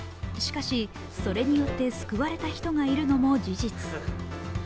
しかし、それによって救われた人がいるのも事実。